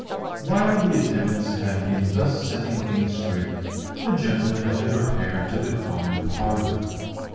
While the attendants had been thus setting things straight the gentleman had repaired to the common parlour.